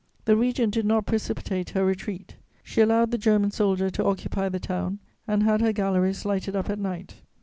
The Regent did not precipitate her retreat; she allowed the German soldier to occupy the town and had her galleries lighted up at night.